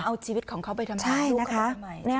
เอาชีวิตของเขาไปทำงานลูกของเขาไปทำงาน